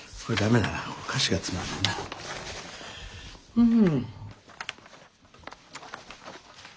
うん。